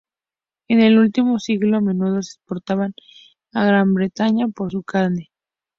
En el último siglo a menudo se exportaban a Gran Bretaña por su carne.